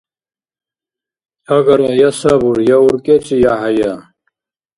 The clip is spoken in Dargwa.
Агара я сабур, я уркӀецӀи, я хӀяя.